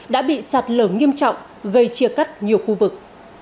đã bị sạt lở nghiêm trọng gây chia cắt nhiều khu vực